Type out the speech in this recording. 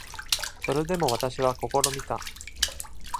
それでも私は試みた。